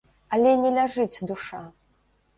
Але не ляжыць душа.